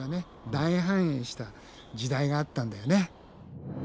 大繁栄した時代があったんだよね。